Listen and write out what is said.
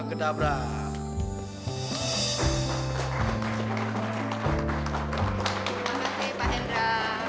terima kasih pak hendra